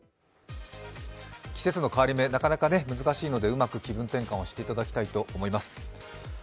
季節の変わり目、なかなか難しいのでうまく気分転換をしていただきたいと思います。